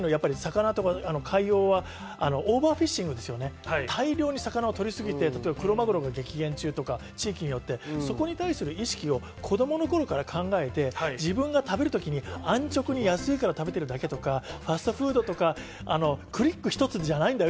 オーバーフィッシング、大量に魚をとりすぎてクロマグロの激減とか、地域によってそこに対する意識を子供の頃から考えて、自分が食べる時に安直に安いから食べてるだけとか、ファストフードとか、クリック一つじゃないんだよ